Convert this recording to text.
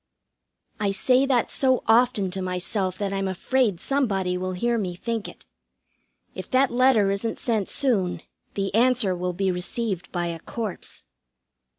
I say that so often to myself that I'm afraid somebody will hear me think it. If that letter isn't sent soon, the answer will be received by a corpse.